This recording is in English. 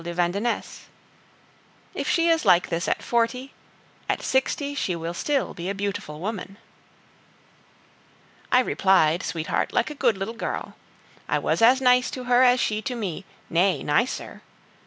de Vandenesse. If she is like this at forty, at sixty she will still be a beautiful woman. I replied, sweetheart, like a good little girl. I was as nice to her as she to me, nay, nicer.